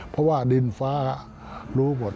เพราะว่าดินฟ้ารู้หมด